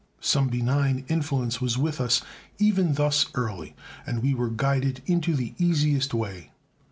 Some benign influence was with us even thus early, and we were guided into the easiest way.